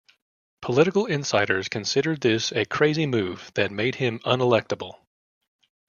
Political insiders considered this a crazy move that made him unelectable.